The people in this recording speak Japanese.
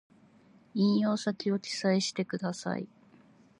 引用先を記載してください